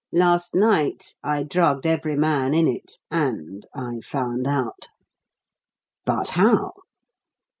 Last night I drugged every man in it, and I found out." "But how?"